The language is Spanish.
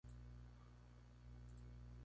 En donde R es el grupo alquilo.